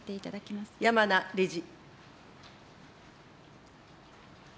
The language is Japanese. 山名理事。